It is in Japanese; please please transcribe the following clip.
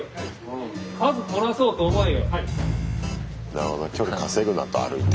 なるほどな距離稼ぐなと歩いて。